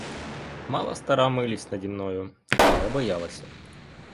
Мала стара милість наді мною, але боялася.